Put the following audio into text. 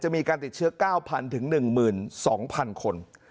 จะมีการติดเชื้อ๙๐๐๐ถึง๑๒๐๐๐คน